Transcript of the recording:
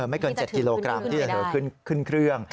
ไม่เกิน๗กิโลกรัมที่จะเหลือขึ้นเครื่อง